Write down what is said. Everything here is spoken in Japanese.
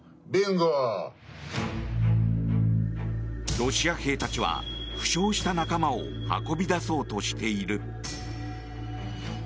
ロシア兵たちは負傷した仲間を運び出そうとしている。